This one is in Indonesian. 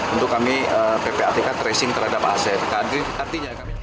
untuk kami ppatk tracing terhadap aset